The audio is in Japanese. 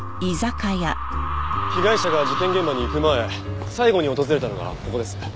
被害者が事件現場に行く前最後に訪れたのがここです。